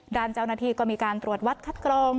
ด้านเจ้าหน้าที่ก็มีการตรวจวัดคัดกรอง